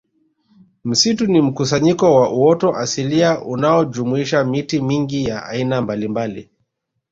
Msitu ni mkusanyiko wa uoto asilia unaojumuisha miti mingi ya aina mbalimbali